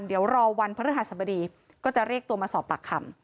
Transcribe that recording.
เดี๋ยวรอวันพระฤหัสบดีก็จะเรียกตัวมาสอบปากคำ